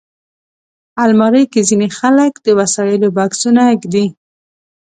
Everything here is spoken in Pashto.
الماري کې ځینې خلک د وسایلو بکسونه ایږدي